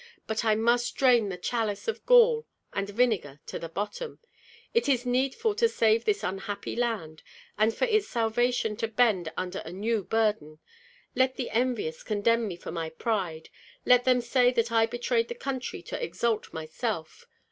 But I must drain the chalice of gall and vinegar to the bottom. It is needful to save this unhappy land, and for its salvation to bend under a new burden. Let the envious condemn me for pride, let them say that I betrayed the country to exalt myself.